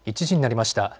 １時になりました。